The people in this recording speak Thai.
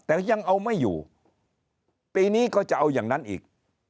แต่ยังเอาไม่อยู่ปีนี้ก็จะเอาอย่างนั้นอีก